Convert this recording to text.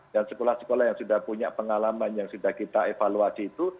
dan sekolah sekolah yang sudah punya pengalaman yang sudah kita evaluasi itu